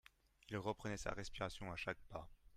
Il reprenait sa respiration à chaque pas.